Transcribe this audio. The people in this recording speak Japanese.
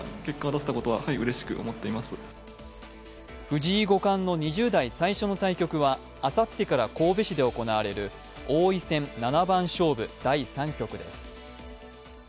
藤井五冠の２０代最初の対局は、あさってから神戸市で行われる王位戦七番勝負第３局です。